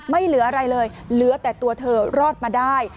ไม่เหลืออะไรเลยเหลือแต่ตัวเธอรอดมาได้